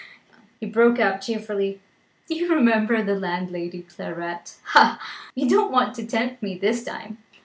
he broke out cheerfully. "Do you remember the landlady's claret? Ha! you don't want to tempt me this time.